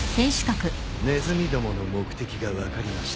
ネズミどもの目的が分かりました。